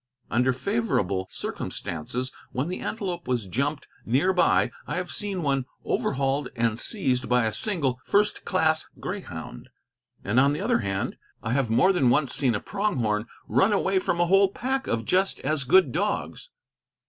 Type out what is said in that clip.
Under favorable circumstances, when the antelope was jumped near by, I have seen one overhauled and seized by a single first class greyhound; and, on the other hand, I have more than once seen a pronghorn run away from a whole pack of just as good dogs.